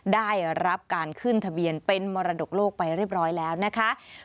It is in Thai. ได้รับการขึ้นทะเบียนเป็นมรดกโลกไปเรียบร้อยแล้วนะคะ